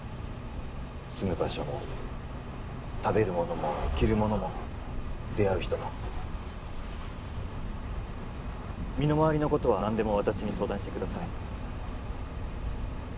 住む場所も食べるものも着るものも出会う人も身の回りのことは何でも私に相談してください